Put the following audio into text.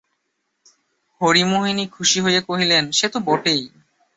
হরিমোহিনী খুশি হইয়া কহিলেন, সে তো বটেই।